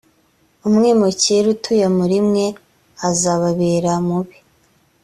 umwimukira utuye muri mwe azababera mubi.